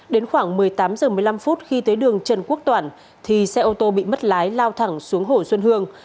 đến khoảng một mươi tám h một mươi năm phút khi tới đường trần quốc toản thì xe ô tô bị mất lái lao thẳng xuống hồ xuân hương